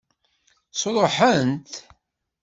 Sṛuḥent-t?